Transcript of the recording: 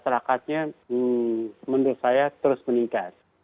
masyarakatnya menurut saya terus meningkat